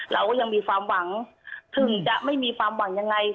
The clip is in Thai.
เราก็ยังมีความหวังถึงจะไม่มีความหวังยังไง